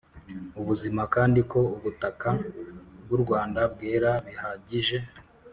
ubuzima, kandi ko ubutaka bw'u rwanda bwera bihagije.